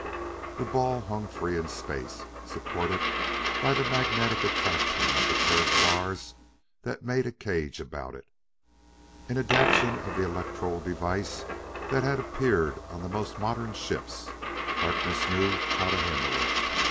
The ball hung free in space, supported by the magnetic attraction of the curved bars that made a cage about it. An adaptation of the electrol device that had appeared on the most modern ships, Harkness knew how to handle it.